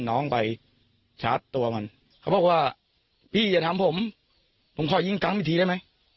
ได้ถามทำไมทำไมต้องยิงซ้ำได้ถาม